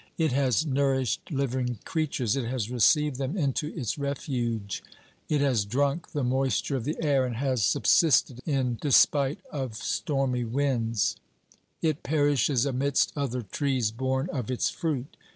It has nourished living creatures ; it has received them into its refuge ; it has drunk the moisture of the air, and has subsisted in despite of stormy winds; it perishes amidst other trees born of its fruit.